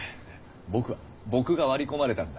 僕は僕がワリ込まれたんだ。